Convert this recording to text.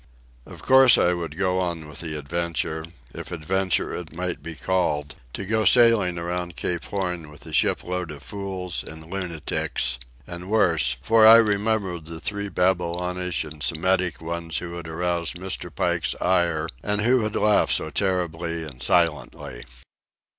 Of course I would go on with the adventure, if adventure it might be called, to go sailing around Cape Horn with a shipload of fools and lunatics—and worse; for I remembered the three Babylonish and Semitic ones who had aroused Mr. Pike's ire and who had laughed so terribly and silently.